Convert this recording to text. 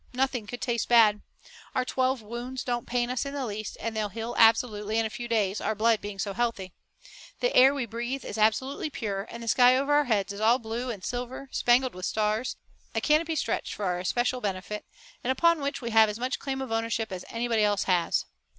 Nothing could taste bad. Our twelve wounds don't pain us in the least, and they'll heal absolutely in a few days, our blood being so healthy. The air we breathe is absolutely pure and the sky over our heads is all blue and silver, spangled with stars, a canopy stretched for our especial benefit, and upon which we have as much claim of ownership as anybody else has.